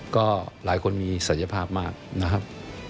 ก็หลายคนมีศักยภาพมากนะครับ